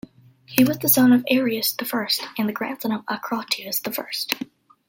He was the son of Areus I, and grandson of Acrotatus the First.